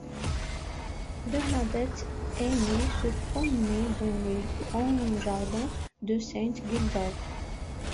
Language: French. Bernadette aimait se promener dans les grands jardins de Saint-Gildard.